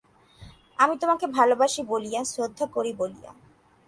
আমি তোমাকে ভালোবাসি বলিয়া, শ্রদ্ধা করি বলিয়া।